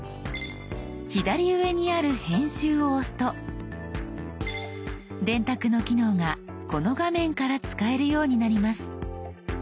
左上にある「編集」を押すと「電卓」の機能がこの画面から使えるようになります。